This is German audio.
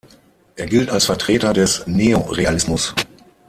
Er gilt als Vertreter des Neorealismus.